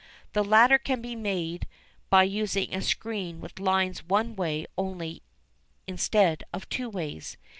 The latter can be made by using a screen with lines one way only instead of two ways.